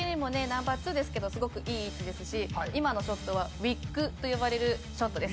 ナンバー２ですけどすごくいい位置ですし今のショットはウィックと呼ばれるショットですね。